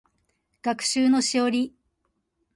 学習のしおり